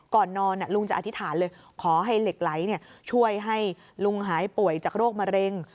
ก่อนนอนลุงจะอธิษฐานเลยขอให้เหล็กไหลช่วยให้ลุงหายป่วยจากโรคมะเร็ง